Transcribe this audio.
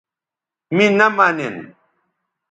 می نہ منین